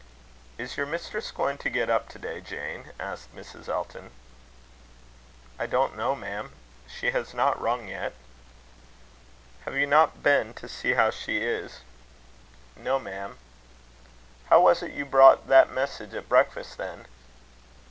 "Is your mistress going to get up to day, Jane?" asked Mrs. Elton. "I don't know, ma'am. She has not rung yet." "Have you not been to see how she is?" "No, ma'am." "How was it you brought that message at breakfast, then?"